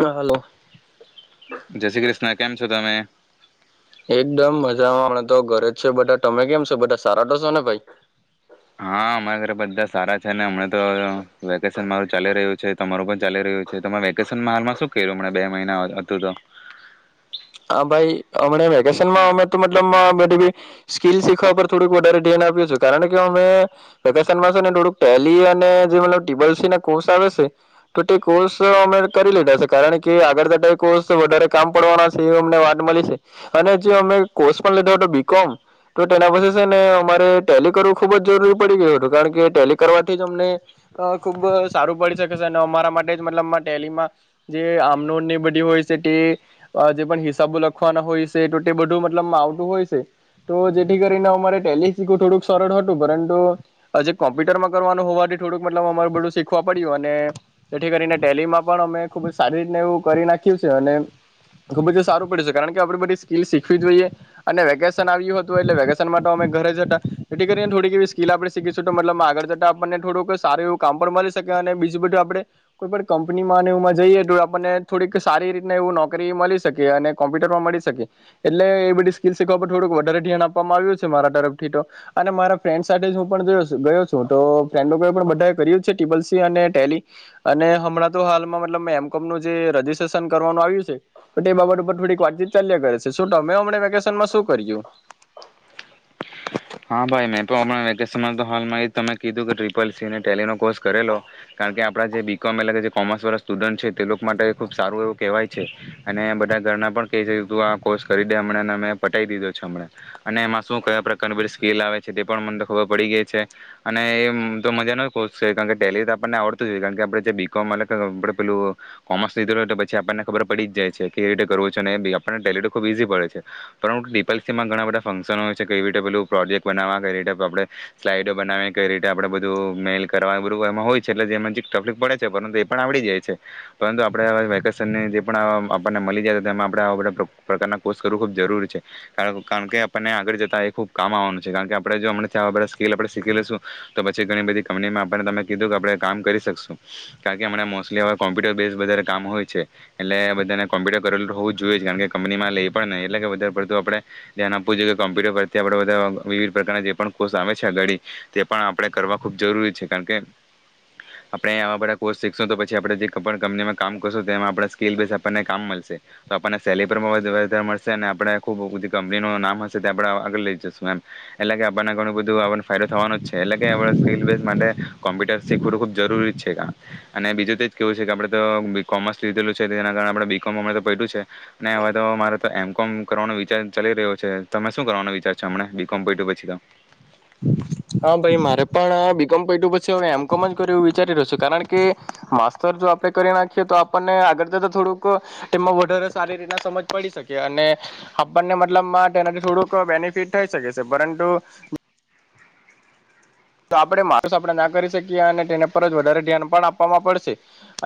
હા હલો જય શ્રી કૃષ્ણ કેમ છો તમે એકદમ મજામાં હમણાં તો ઘરે જ છે બધા તમે કેમ છો બધા સારા તો છો ને ભાઈ. હા અમારા ઘરે બધા સારા છે ને હમણા તો વેકેશન મારું ચાલી રહ્યું છે તમારું પણ ચાલી રહ્યું છે તમારે વેકેશનમાં હાલમાં શું કયરુ હમણાં બે મહિના હતું તો હા ભાઈ અમ વેકેશનમાં અમે તો મતલબ બધી સ્કીલ શીખવા પર થોડુંક વધારે ધ્યાન આપ્યું છેું કારણ કે અમે વેકેશનમાં છે ને થોડુંક ટેલી અને જે મને ટીંબલ સી નો કોર્સ આવે છે તો તે કોર્સ અમે કરી લીધા છે કારણ કે આગળ જતા કોર્સ વધારે કામ પડવાના. છે અમમાં વાત મલી છે અને જો મેં કોર્સ પણ લીધો હતો બીકોમ તો તેના પાસે છે ને અમારે ટેલી કરવું ખુબ જ જરૂરી પડી ગયું હતું કારણ કે ટેલી કરવાથી જ અમને અ ખુબ સારું પડી શકે છે અને અમારા માટે જ મતલબમાં ટેલીમાં જે આમનોંધ ને બધી હોય છે તે અ જે હિસાબો લખવાના હોય છે તો તે બધું મતલબ આવતું હોય છે તો જેથી કરીને અમારે ટેલી શીખવું થોડુંક સરળ હતું પરંતુ જે કોમ્પ્યુટરમાં કરવાનું હોવાથી થોડુંક મતલબ અમાર બધું શીખવા પડ્યું અને જેથી કરીને ટેલીમાં પણ અમે ખૂબ જ સારી રીતના એવું કરી નાખ્યું છે અને ખુબ જ સારું પડ્યું કારણ કે આપડે બધી સ્કિલ શીખવી જોઈએ અને વેકેશન આવ્યું હતું એટલે વેકેશન માટે અમે ઘરે જતા એથી કરીને થોડીક એવી સ્કિલ આપડે શીખીશું મતલબમાં આગળ જતા આપણને થોડુંક સારું એવું કામ પણ મળી શકે અને બીજું બધું આપડે કોઈ પણ કંપનીમાં અને એમાં જઈએ તો આપણને થોડીક સારી રીતને એવું નોકરી મળી સ શકે અને કોમ્પ્યુટરમાં મળી શકે એટલે એ બધી સ્કીલ શીખવા પર થોડુંક વધારે ધ્યાન આપવામાં આવ્યું છે મારા તરફથી તો અને મારા ફ્રેન્ડ સાથે હું ગયો છું તો ફ્રેન્ડ પણ બધા કર છે ટીબલ સી અને ટેલી અને હમણાં તો હાલમાં મતલબ મેં એમ કોમ જે રસ્ટ્રેશન કરવાનું આવ્યું છે. તો તે બાબત ઉપર થોડીક વાતચીત ચાલ્ય કરે છે શુંતમે હમણા વેકેશનમાં શું કર્યું? હા ભાઈ મેં હપણા વેકેશનમાં તો હાલમાં એ તમે કીધું કે ટ્રિપલ સી ને ટેલી નો કોર્સ કરેલો કારણ કે આપડા જે બી કોમ એ જે કોમર્સ વાળા સ્ટુડન્ટ છે તે લોકો માટે ખુબ સારું એવું કહેવાય છે અને બધા ઘરના પણ કેય છે તું આ કોર્સ કરી દે હમણા ને મેં પટી દીધો છે હમણાં અને એમાં શું કયા પ્રકારની બધી કીલ આવે છે તે પણ મને તો ખબર પડી ગઈ છે અને એ તો મજાનો કોર્સ છે કારણ કે ટેલી તો આપણને આવડતું જ હો કારણ કે આપડે જે બી કોમ અલે કે આપડે પેલું કોમર્સ લીધું હોય તો પછી આપણને ખબર પડી જાય છે કેવી રીતે કરવું છે ને એ આપણને ટેલિ તો ખૂબ ઇઝી પડે પરંતુ ડીપલસીમાં ઘણા બધા ફંક્શનો હોય છે કેવી રીતે પેલું પ્રોજેક્ટ બનાવવા કઈ રીતે આપણે સ્લાઈડ બનાવી કઈ રીતે આપણે બધું મેઇલ કરવા બધું એમાં હોય છે એટલે જે એમાં તકલીફ પડે છે પરંતુ એ પણ આવડી જાય છે પરંતુ આપણે વેકેશનને જે પણ આપણને મળી જાય એમાં આપણે આવા બધા પ્રકારના કોર્સ કરવું ખૂબ જરૂરી છે કાર કારણ કે આપણને આગળ જતા એ ખૂબ કામ આવવાનું છે કારણ કે આપણે જો અમને્યાં બધા સ્કીિલ આપણે શીખી લેશું તો પછી ઘણી બધી કંપનીમાં આપણને તમે કીધું કે આપણે કામ કરી શકશું કારણ કે હમણા મોસ્ટલી હવે કોમ્પ્યુટર બેઝડ વધારે કામ હોય છે એટલે બધાને કોમ્પ્યુટર તે આપણે બધા વિવિધ પ્રકારના જે પણ કોર્સ આવે છે આગળ તે પણ આપણે કરવા ખૂબ જરૂરી છે કારણ કે આપણે આવા બધા કોર્સ શીખશું તો પછી આપણે જે કંપનીમાં કામ કરશું તેમાં આપણે સ્કીલ બેઝ આપણને કામ મળશે તો આપણને સેલીરી પર વધારે મળશે અને આપણે ખૂબ કંપનીનું નામ હશે તે આપડા આગળ લઈ જશે એમ કે આપણને ઘણું બધુંને ફાયદો થવાનો છે એટલે કે સ્કીલ બેઝ માટે કોમ્પ્યુટર શીખવું ખુબ જરૂરી જ છે અને બીજું તે કેવું છે કે આપડણે તો બી કોમર્સ લીધેલું છે તેના કારણે બી કોમ અરે તો પડું છે અને હવે તો મારે તો એમ કોમ કરવાનો વિચાર ચાલી રહ્યો છે તમે શું કરવાનો વિચાર આમળા બીકોમ કર્યું પછી તો હા ભાઈ મારે પણ બીકોમ પત્યું હ એમ કોમ જ કર્યું એવું વિચારી રહ્યો છું કારણ કે માસ્ટતર જો આપણે કરી નાખીએ તો આપણને આગળ થોડુંક વધારે સારી રીતના સમજ પડી શકે અને આપણને મતલબનાથી થોડુંક બેનિફિટ થઈ શકે છે પરંતુ તો આપડણે માર્ આપણે ના કરી શકીએ અને તેને પર જ વધારે ધ્યાન પણ આપવામાં પડશે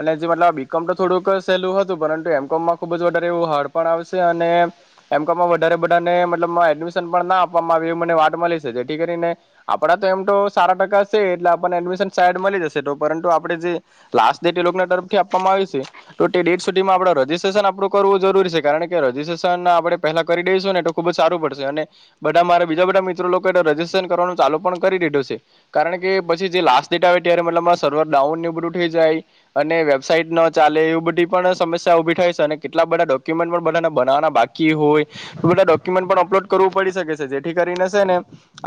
અને જે મતલબ બીકોમ તો થોડુંક સહેલું હતું પરંતુ એમ કોમમાં ખુબ જ વધારે એવું હાર્ડ પણ આવશે અને એમ કોમમાં વધારે બધાને મલબ એડમિશન પણ ના આપવામાં આવે એવી મને વાત મળી છે જેથી કરીને આપણા તો એમ તો સારા ટકા છે એટલે આપણને એડમિશન સાડ મળી જશે તો પરંતુ આપણે જે લાસ્ટ ડેટ એ લોકો તરફથી આપવામાં આવી્યું છે તો તે ડેટ સુધીમાં આપડે રજીિસ્ટ્રેશન આપણું કરવું જરૂરી છે કારણ કે રજીસ્ટ્રેશન આપણે પેલા કરી દઈશું ને તો ખુબ જ સારું પડશે અને બધા મારા બીજા બધા મિત્રો લોકો એ રજીસ્ટ્રેશન કરવાનું ચાલુ પણ કરી દીધું છે કારણ કે પછી જે લાસ્ટ ડેટ આવે ત્યારે મતલબ સર્વર ડાઉન બધું થઈ જાય અને વેબસાઈટ ન ચાલે એવી બધી પણ સમસ્યા ઉભી થાય છે અને કેટલા બધા ડોક્યુમેન્ટ પણ બધાને બનાવાના બાકી હોય એ બધા ડોક્યુમેન્ટ પણ અપલોડ કરવું પડી શકે છે જેથી કરીને છે ને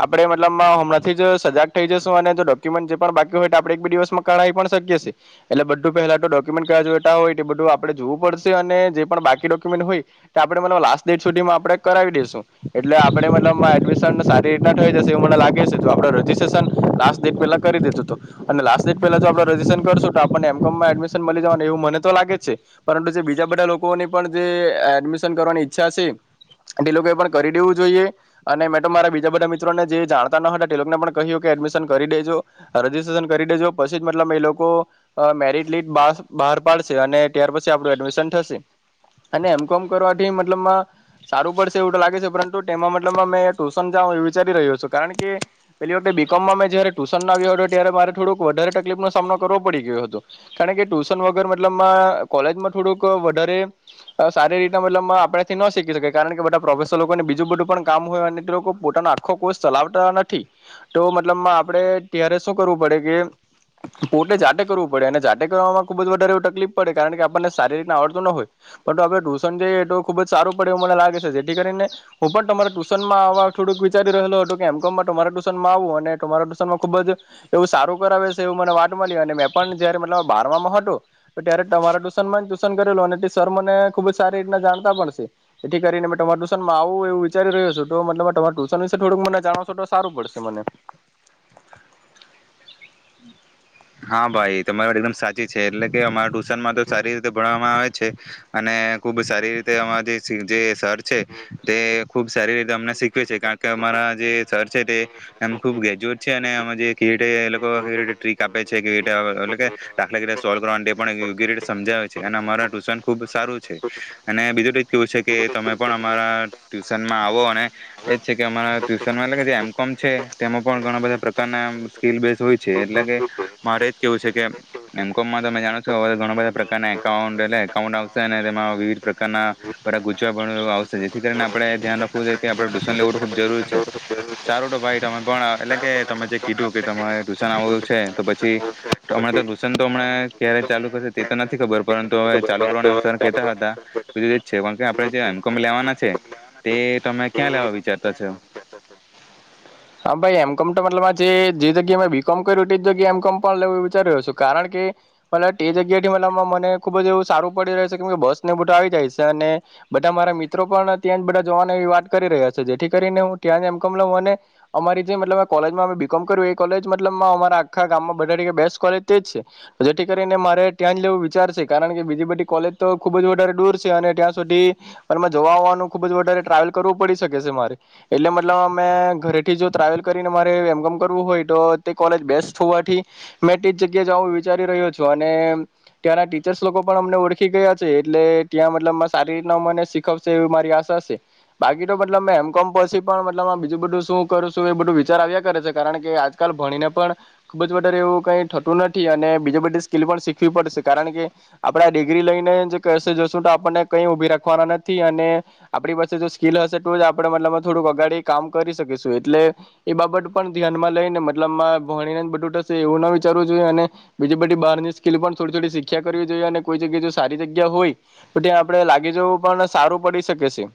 આપણે મતલબમાં હમણાથી જ સજાગ થઈ જાસુ ડોક્યુમેન્ટ બાકી હોય આપણે એક બેિવમાં કરાવી પણ શકીએએ એટલે બધું પહેલા ડોક્યુમેન્ટ કર હોય બધું આપણેે જોવું પડશે અને જે પણ બાકી ડોક્યુમેન્ટ હોય આપણેલ લાસ્ટ ડેટ સુધીમાં આપણે કરાવી દઈશું એટલે આપણે મતલબ એડમિશન સારી રીતના થઈ જશે એ મને લાગે છે જો આપડે રજીસ્ટ્રેશન લાસ્ટ ડેટ પેલા કરી દીધું અને લાસ્ટ ડેટ પેલા આપ રજીસ્ટ્રેશન તો આપનેમમાં એડમિશન મળી જવાનું એવું મને તો લાગે છે પરંતુ જે બીજા બધા લોકોની પણ જે એડમિશન કરવાની ઈચ્છા છે તે લોકો એ પણ કરી દેવું જોઈએ અને મેં મારા બીજા બધા મિત્રોને જે જાણતા ન હતા તે લોકોને પણ કહ્યું કરી દેજો રજીસ્ટ્રેશન કરી દેજો પછી મતલ એ લોકો મેરટ લીસ્ટ બહાર પાડશે અને ત્યાર પછી આપડું એડમિશન થશે અને એમ કોમ કરવાથી મતલબ સારું પડશે એવું લાગે છે પરંતુ તે મતલબ ટુશન જા એ વિચારી રહ્યો છું કારણ કે પેલી વખતે બી કોમ મે જારે ટુશન આવ્યો હતો ત્યારે મારે થોડોક વધારે તકલીફ નો સામનો કરવો પડી ગયો હતો કારણ કે ટુશન વગર મતલબમાં કોલેજમાં થોડુંક વધારે સારી રીતના મતલબ આપથી ન શીખી શકાય કારણ કે બધા પ્રોફેસરને બીજું બધું પણ કામ હોય અને તે લોકો પોતાનો આખો કોર્સ ચલાવતા નથી તો મતલબ આપડણે ત્યારે શું કરવું પડે કે પોતે જાતે કરવું પડે અને જાતે કરવામાં ખુબ જ વધારે એવ તકલીફ પડે કારણ કે આપણને શારીરિક આવડતતો ન હોય પણ આપડણે ટુશન જેએ તો ખુબ જ સારું પડે એવું મને લાગે છે જેથી કરીને હું પણ તમારા ટુશનમાં આવા થોડુંક વિચારી રહેલો હતોું કે એમ કોમ માં તમારા ટુશન માં આઉં માં ખુબ જ એવું સારું કરાવે છે એ મને વાત મળી અને મેં પણ જયારે મબ બારમાં હતો તો ત્યારે તમારા ટુશન માં ટ્યુશન કરેલું અને સર મને ખુબ જ સારી રીતના જાણતા પડશે એથી કરીને મે તમારા ટુશનમાં આવું એવું વિચારી રહ્યો છું તો તમા ટુશન વિશે થોડુંક મને જણાવશો તો સારું પડશે તે મને હા ભાઈ તમારી વાત એકદમ સાચી છે એટલે કે અમા ટ્યુશન માં તો સારી રીતે ભણવામાં આવે છે અને ખુબ સારી રીતે અમાં જે જે સર છે તે ખુબ સારી રીતે અમને શીખવે છે કારણ કે અમારા જે સર છે તેમ ખુબ ગ્રેજ્યુએટ છે અને જે એ એ લોકો કેવી રીતે આપે છે કે એટલે કે ડાકલા તરીકે સોલ્વ કરવા માટે પણ યોગ્ય રીતે સમજાવે છે અને અમારા ટ્યુશન ખૂબ સારું છે અને બીજું તો જ કેવું છે કે તમે પણ અમારા ટ્યુશનમાં આવો અને એ જ છે કે અમારા ટ્યુશનમાં એટલે કે જે એમ કોમ છે તેમાં પણ ઘણા બધા પ્રકારના સ્કીલ બેઝ હોય છે એટલે કે મારે જ કેવું છે કે એમ કોમમાં તમે જાણો છો હવે ઘણા બધા પ્રકારના એકાઉન્ટ એટલે એકાઉન્ટ આવશે અને તેમાં વિવિધ પ્રકારના ગુજવા આવશે જેથી કરીને આપે ધ્યાન રાખવું જોઈએ કે આપડણે ટ્યુશન લેવું ખુબ જરૂરી છે સારું ભાઈ તમે પણ એટલે કે તમે જે કીધું કે ટુશન આવ છે તો પછી હમણાં ટ્યુશન તો હમણાં ક્યારે ચાલુ કરશે તે તો નથી ખબર પરંતુ હવે ચાલુ કરવાના નુ સર કેહતા હતા બીું જ છે કે આપણે જેમ એમ કોમ લેવાના છે તે તમે ક્યાં લેવા વિચારતા છ હા ભાઈ એમ કોમ તોતલબ જે જગ્યા બીકોમ કર્યું તે જગ્યાએ એમમ પણ લેું એ વિચારી રહ્યો છું કારણ કે મત તે જગ્યા થી મત મને ખુબ જ એવું સારું પડી રહ્યું છે કે બસ ને બટું આવી જાય છે અને બધા મારા મિત્રો પણ ત્યાં જ બધા જોવાની એ વાત કરી રહ્યા છે જેથી કરીને હું ત્યાં એમમ કોમ લઉ મને અમારી જે મતલ કોલેજમાં અ બીકોમ કર એ કોલેજ મતલબ અમારા આખા ગામમાં બધા બેસ્ટ કોલેજ તે છે જેથી કરીને મારે ત્યાં જ લેવું વિચાર છે કારણ કે બીજી બધી કોલેજ તો ખુબ જ વધારે દૂર છે અને ત્યાં સુધી જવા આવવાનું ખુબ જ વધારે ટ્રાવેલ કરવું પડી શકે છે મારે એટલે મતલબ અમે ઘરે ટ્રાવેલ કરીને મારે એમ કોમ કરવું હોય તો તે કોલેજ બેસ્ટ હોવાથી મેં તે જગ્યા જું વિચારી રહ્યો છું અને ત્યાંના ટીચર્સ લોકો પણ અમને ઓળખી ગયા છે એટલે ત્યાં મતલબ સારી રીતના મને શીખવશે એવી મારી આશા છે બાકી તો મતલબ મે એમ કોમ પછી પણલ બીજું બધું શું બધું વિચાર આવ્યા કરે છે કારણ કે આજકાલ ભણીને પણ ખૂબ જ વધારે એવું કઈ થતું નથી. અને બીજી બધી સ્કિલ પણ શીખવી પડશે, કારણ કે આપડા ડિગ્રી લઈને જ કશે જોશું તો આપણને કઈ ઉભી રાખવાના નથી. અને આપણી પાસે જો સ્કીિલ હશે તો જ આપણેે મતલબ થોડુંક અગાડી કામ કરી શકીશું. એટલે એ બાબત પણ ધ્યાનમાં લઈને મતલબમાં ભણીને બધું થશે એવું ના વિચારવું જોઈએ, અને બીજી બધી બહાર ની સ્કીિલ પણ થોડી થોડી શીખ્યા કરવી જોઈએ. અને કોઈ જગ્યા જો સારી જગ્યા હોય તો ત્યાં આપડે લાગી જવું પણ સારું પડી શકે છે.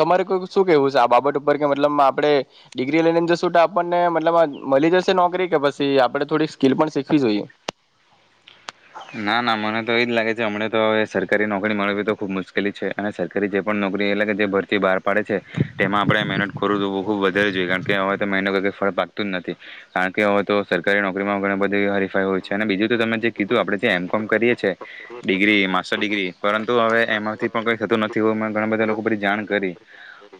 તમારે કો શું કેવું છે આ બાબત ઉપર કે મતલબ આપે? ડિગ્રી લઈને જશું તો આપણને મતલબ મળી જશે, નોકરી કે પછી આપણે થોડી સ્કીિલ પણ શીખવી જોઈએ? ના ના, મને તો એ જ લાગે છે. હમં તો હવે સરકારી નોકરી મળવી તો ખૂબ મુશ્કેલી છે. અને સરકારી જે પણ નોકરી એટલે કે જે ભરતી બહાર પાડે છે તેમાં આપણે મહેનત કરું એવું ખૂબ વધારે જોઈએ. કારણ કે હવે તો મેહનત વગર કંઈઈ ફળ પાકતું જ નથી. કારણ કે હવે તો સરકારી નોકરીમાં ઘણી બધી હરીફાઈ હોય છે. અને બીજું તો તમે જે કીધું આપણે એમ કોમ કરીએ છીએ. ડિગ્રી માસ્ટર ડિગ્રી, પરંતુ હવે એમાંથી પણ કઈ થતું નથી હો. મે ઘણા બધા લોકો બધા જાણ કરી.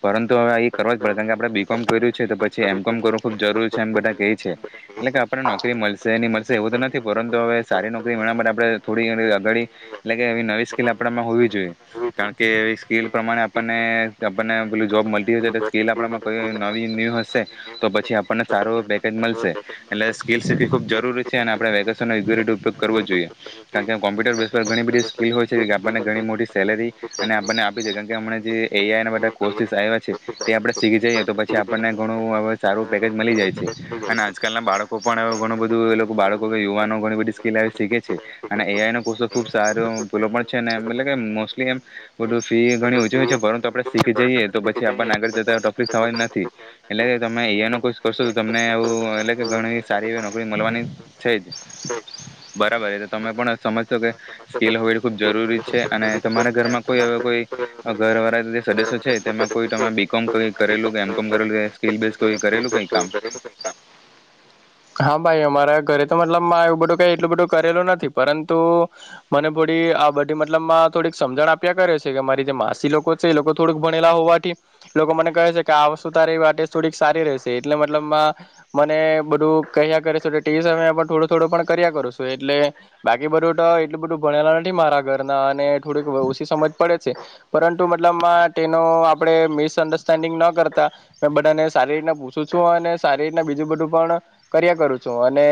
પરંતુ હવે એ કરવો જ પડે કારણ કે આપણે બી કોમ કર્યું છે તો પછી એમ કોમ કરવું ખુબ જરૂરી છે એમ બધા કે છે, એટલે કે આપને નોકરી મળશે નહીં મળશે એવું તો નથી, પરંતુ હવે સારી નોકરી આપ થોડી અગાડી એટલે કે એવી નવી સ્કીલ આપણામાં હોવી જોઈએ, કારણ કે એવી સ્કીલ પ્રમાણે આપણને આપણને જોબ મળતી હશે. એટલે સ્કીલ આપમાં કોઈ નવી ન્યુ હશે તો પછી આપણને સારું પેકેજ મળશે. એટલે સ્કીલસ ખૂબ જરૂરી છે અને આપણે વેકેશન યોગ્ય રીતે ઉપયોગ કરવો જોઈએ, કારણ કે કોમ્પ્યુટર બેઝ પર ઘણી બધી સ્કીિલ હોય છે કે આપણને ઘણી મોટી સેલેરી અને આપણને આપી જાય, કારણ કે હમણા જે એઆઆઈના બધા કોર્સિસ આવ્યા છે તે આપણે શીખી જઈએ તો પછી આપણને ઘણું હવે સારું પેકેજ મળી જાય છે. શું કોહ અને આજકાલના છો બાળકો પણ ઘણુ બધું એ લોકો, બાળકો કે યુવાનો ઘણી બધી એ આઈ શીખે છે અને એઆઈ નો કોસો ખુબ સારો પેલો પણ છે ને, એ એટલે કે મોસ્ટલી એમ બધું ફી ઘણી ઓછી હોય છે, પરંતુ આપણે શીખી જઈએ તો પછી આપણને આગળ જતા તકલીફ થવા જ નથી. એટલે તમે એ આઈ નું કરશો તો તમને એવું, એટલે કે ઘણી સારી એવી નોકરી મળવાની છે જ. બરાબર, એ તો તમે પણ સમજશો કે સ્કીલ હોવી ખુબ જરૂરી છે, અને તમારા ઘરમાં કોઈ હવે કોઈ ઘરવાળા સદસ્ય છે, તેમાં કોઈ તમે બી. કોમ કરી. કરેલું કે એમ. કોમ કરેલું, સ્કીલ બેઝ કરેલું. કઈ કામ હા, ભાઈ અમારા કરે તો મતલબમાં એવું બધું, કઈ એટલું બધું કરેલું નથી, પરંતુ મને થોડી આ બધી મતલબમાં થોડીક સમજણ આપ્યા કરે છે કે મારી જે માસી લોકો છે એ લોકો થોડક ભણેલા હોવાથી લોકો મને કહે છે કે આ વસ્તુ તારી માટે થોડીક સારી રહે છે. એટલે મતલબ મને બધું કહ્યા કરે છે તે સમય પણ થોડો થોડો પણ કર્યા કરું છું, એટલે બાકી બધું તો એટલું બધું ભણેલા નથી મારા ઘરના અને થોડીક ઓછી સમજ પડે છે, પરંતુ મતલબ તેનો આપણે મિસઅન્ડરસ્ટેન્ડિંગ ન કરતા મેં બધાને સારી રીતના અને સારી રીતને બીજું બધું પણ કર્યા કરું છું, અને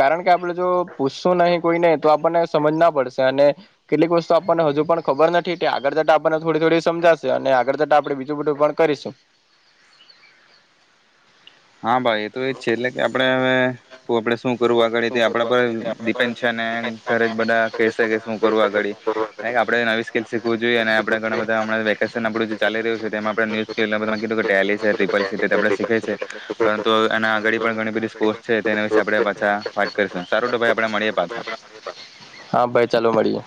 કારણ કે આપડ જો પૂછશું નહીં કોઈને તો આપણને સમજ ના પડશે, અને કેટલીક વસ્તુ આપણને હજુ પણ ખબર નથી કે આગળ જતા આપણને થોડી થોડી સમજાશે, અને આગળ જતા આપણે બીજું બધું પણ કરીશું. હા ભાઈ, એ તો એજ છે, એટલે કે આપણે હવે આપણે શું કરવું આગળ આપણા પર ડિપેન્ડ છે ને, ઘરે જ બધા કહે કે શું કરવું, આગળ આપણે નવી સ્કીલ શીખવું જોઈએ, અને આપણે ધણા બધા વેકેશન આપનુ ચાલી રહ્યું છે તેમાં, કીધું ટેલી છે, સીસીસી છે તે બધા શીખે છે. તો એ. આગળ પણ ઘણી બધી તેના વિશેે આપડે પાછા. સારું તો ભાઈ, આપણે મળીએ પાછા. હા ભાઈ ચાલો મળીએ